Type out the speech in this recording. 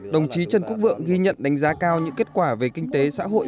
đồng chí trần quốc vượng ghi nhận đánh giá cao những kết quả về kinh tế xã hội